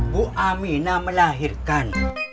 bu amina melahirkan